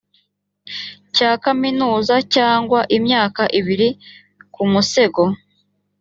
cya kaminuza cyangwa imyaka ibiri ku musego